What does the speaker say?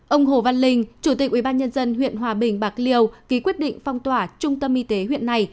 ông hồ văn linh chủ tịch ubnd huyện hòa bình bạc liêu ký quyết định phong tỏa trung tâm y tế huyện này